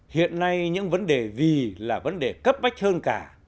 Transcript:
hiện nay những vấn đề gì là vấn đề cấp bách hơn cả